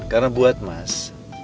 karena buat mas